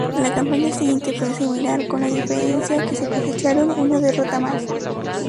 La campaña siguiente fue similar, con la diferencia de que cosecharon una derrota más.